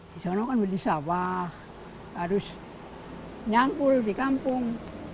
di sana kan beli sawah harus nyampul di kampung